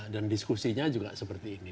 dan diskusinya juga seperti ini